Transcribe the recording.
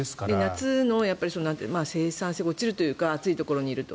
夏の生産性が落ちるというか暑いところにいると。